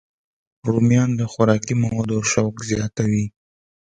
رومیان د خوراکي موادو شوق زیاتوي